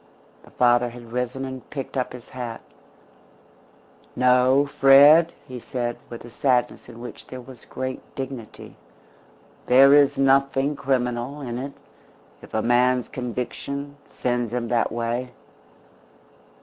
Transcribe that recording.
The father had risen and picked up his hat. "No, Fred," he said, with a sadness in which there was great dignity, "there is nothing criminal in it if a man's conviction sends him that way.